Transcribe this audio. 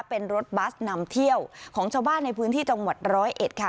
เป็นรถบัสนำเที่ยวของชาวบ้านในพื้นที่จังหวัดร้อยเอ็ดค่ะ